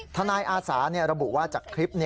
นายอาสาระบุว่าจากคลิป